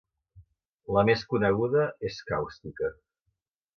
La més coneguda és càustica.